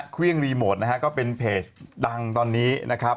เครื่องรีโมทนะฮะก็เป็นเพจดังตอนนี้นะครับ